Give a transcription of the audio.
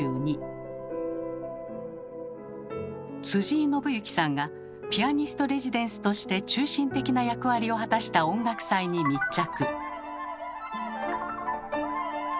井伸行さんがピアニスト・レジデンスとして中心的な役割を果たした音楽祭に密着。